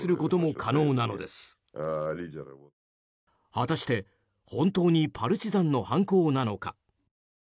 果たして、本当にパルチザンの犯行なのか。